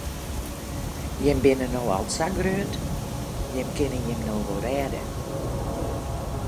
Jimme binne no al sa grut, jimme kinne jim no wol rêde.